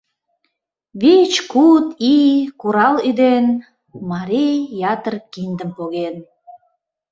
Вич-куд ий курал-ӱден, марий ятыр киндым поген.